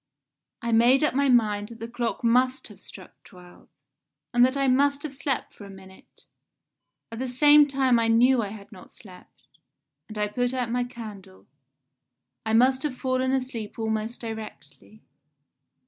I made up my mind that the clock must have struck twelve, and that I must have slept for a minute at the same time I knew I had not slept and I put out my candle. I must have fallen asleep almost directly.